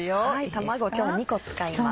卵今日２個使います。